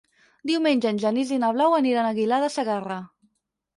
Diumenge en Genís i na Blau aniran a Aguilar de Segarra.